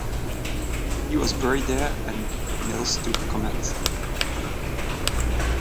He was buried there and Milz took command.